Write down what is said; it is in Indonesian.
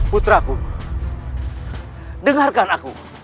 putraku dengarkan aku